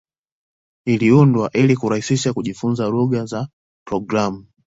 Iliundwa ili kurahisisha kujifunza lugha za programu.